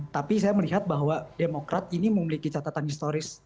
tapi saya melihat bahwa demokrat ini memiliki catatan historis